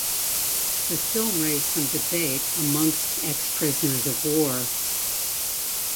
The film raised some debate amongst ex-prisoners of war.